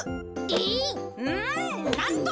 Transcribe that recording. んなんと！